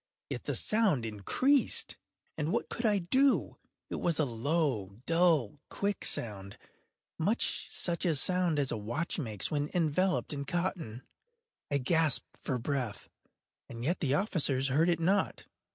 Yet the sound increased—and what could I do? It was a low, dull, quick sound—much such a sound as a watch makes when enveloped in cotton. I gasped for breath—and yet the officers heard it not.